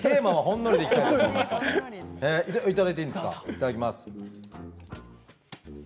いただきます。